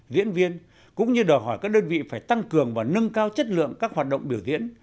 diễn viên cũng như đòi hỏi các đơn vị phải tăng cường và nâng cao chất lượng các hoạt động biểu diễn